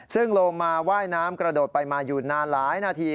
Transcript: ซึ่งลงมาว่ายน้ำกระโดดไปมาอยู่นานหลายนาที